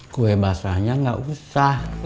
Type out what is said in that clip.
kue basahnya gak usah